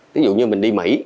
ví dụ như mình đi mỹ